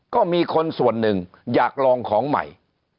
ก็มีคนส่วนหนึ่งอยากลองของใหม่